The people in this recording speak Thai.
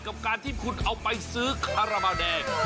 กับการที่คุณเอาไปซื้อคาราบาลแดง